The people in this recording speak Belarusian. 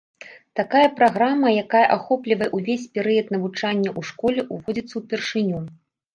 Такая праграма, якая ахоплівае ўвесь перыяд навучання ў школе, уводзіцца ўпершыню.